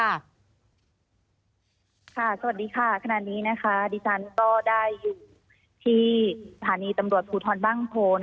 สวัสดีค่ะขนาดนี้ดิจารณ์ก็ได้อยู่ที่ฐานีตำรวจภูทรบ้างโพ